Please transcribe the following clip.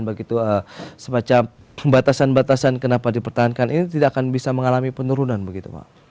begitu semacam pembatasan batasan kenapa dipertahankan ini tidak akan bisa mengalami penurunan begitu pak